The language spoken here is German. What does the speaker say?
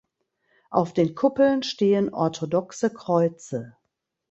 Auf den Kuppeln stehen orthodoxe Kreuze.